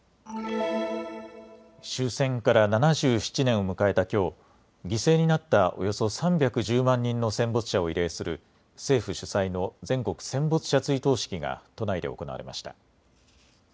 終戦から７７年を迎えたきょう犠牲になったおよそ３１０万人の戦没者を慰霊する政府主催の全国戦没者追悼式が都内で行われました。